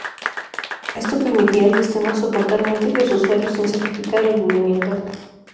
Esto permitía al sistema soportar múltiples usuarios sin sacrificar el rendimiento.